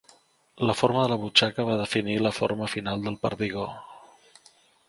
La forma de la butxaca va definir la forma final del perdigó.